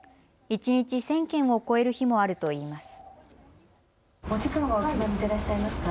一日１０００件を超える日もあるといいます。